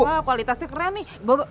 wah kualitasnya keren nih